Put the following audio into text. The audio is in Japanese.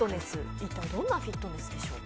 一体どんなフィットネスでしょうか？